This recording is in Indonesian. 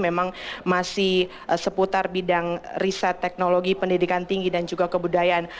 memang masih seputar bidang riset teknologi pendidikan tinggi dan juga kebudayaan